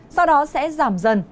sau đó sẽ giảm dần